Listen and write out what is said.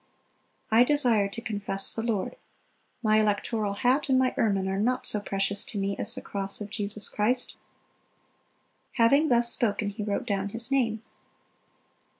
I desire to confess the Lord. My electoral hat and my ermine are not so precious to me as the cross of Jesus Christ." Having thus spoken, he wrote down his name.